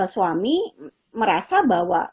suami merasa bahwa